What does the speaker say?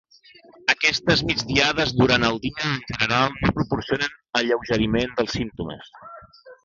Aquestes migdiades durant el dia en general no proporcionen alleugeriment dels símptomes.